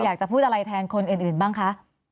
อยากจะพูดอะไรแทนคนอื่นบ้างคะ